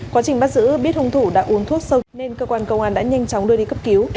quá trình bắt giữ biết hung thủ đã uống thuốc sâu nên cơ quan công an đã nhanh chóng đưa đi cấp cứu